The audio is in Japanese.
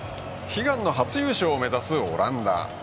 悲願の初優勝を目指すオランダ。